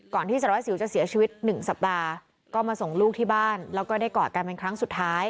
ที่สารวัสสิวจะเสียชีวิตหนึ่งสัปดาห์ก็มาส่งลูกที่บ้านแล้วก็ได้กอดกันเป็นครั้งสุดท้าย